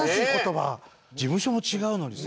事務所も違うのにさ。